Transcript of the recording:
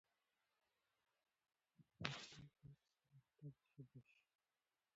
پښتو باید د پرمختګ ژبه شي.